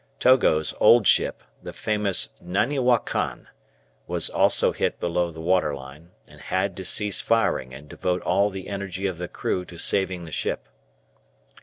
Togo's old ship, the famous "Naniwa Kan," was also hit below the water line, and had to cease firing and devote all the energy of the crew to saving the ship.